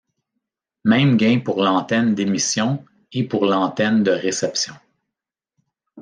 Même gain pour l'antenne d'émission et pour l'antenne de réception.